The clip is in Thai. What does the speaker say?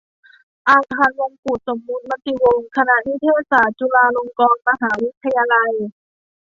อาคารมงกุฏสมมติวงศ์ คณะนิเทศศาสตร์ จุฬาลงกรณ์มหาวิทยาลัย